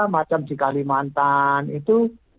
macam di kalimantan itu